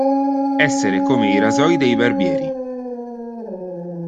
Essere come i rasoi dei barbieri.